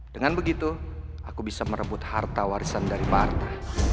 dengan begitu aku bisa merebut harta warisan dari barta